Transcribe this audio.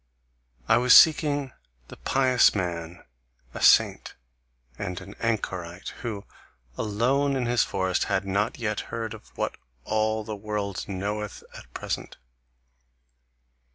I was seeking the pious man, a saint and an anchorite, who, alone in his forest, had not yet heard of what all the world knoweth at present."